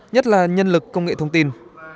nhất là nhân lực công nghệ thông tin